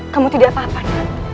kamu tidak apa apa